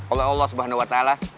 oleh allah swt